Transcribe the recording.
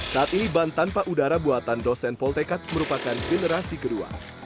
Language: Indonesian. saat ini ban tanpa udara buatan dosen poltekat merupakan generasi kedua